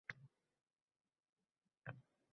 Agar halol-pokizalikni istasang Makkaga bor.